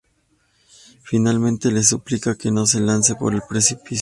Finalmente, le suplica que no se lance por el precipicio.